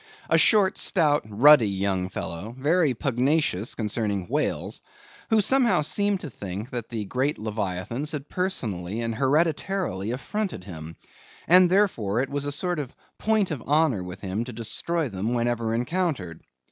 A short, stout, ruddy young fellow, very pugnacious concerning whales, who somehow seemed to think that the great leviathans had personally and hereditarily affronted him; and therefore it was a sort of point of honor with him, to destroy them whenever encountered.